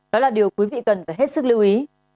đó là điều quý vị cần phải hết sức lưu ý